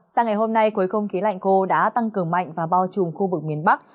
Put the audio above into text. sáng ngày hôm nay khối không khí lạnh cô đã tăng cường mạnh và bao trùm khu vực miền bắc